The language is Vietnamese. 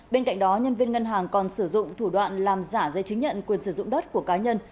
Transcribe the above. bên cạnh đó nhân viên ngân hàng còn sử dụng thủ đoạn làm giả giấy chứng nhận quyền sử dụng đất của cá nhân